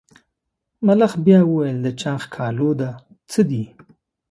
ملخ بیا وویل د چا ښکالو ده څه دي.